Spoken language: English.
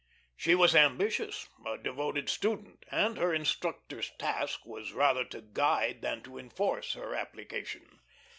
She was ambitious, a devoted student, and her instructor's task was rather to guide than to enforce her application.